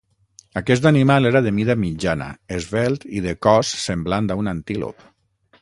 Aquest animal era de mida mitjana, esvelt i de cos semblant a un antílop.